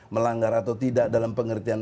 melanggar atau tidak dalam pengertian